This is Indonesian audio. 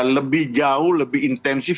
lebih jauh lebih intensif